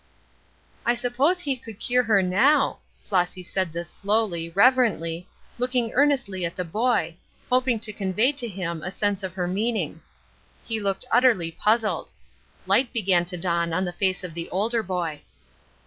"I suppose he could cure her now." Flossy said this slowly, reverently, looking earnestly at the boy, hoping to convey to him a sense of her meaning. He looked utterly puzzled. Light began to dawn on the face of the older boy.